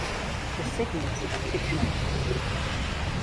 These segments are fictionalized.